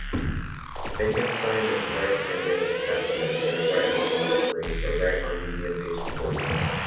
Benkenstein is a right-handed batsman, and a right-arm off-break or right-arm medium paced bowler.